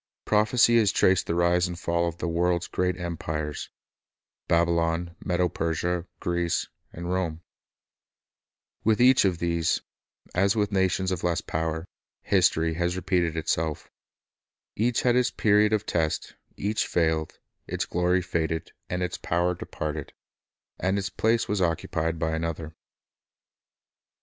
Prophecy has traced the rise and fall of the world's great empires, — Babylon, Medo Persia, Greece, and Rome. With each Kise and of these, as with nations of less power, histoiy repeated Q f Nations itself. Each had its period of test, each failed, its glory faded, its power departed, and its place was occupied by another.